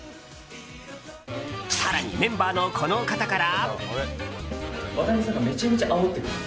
更にメンバーの、この方から。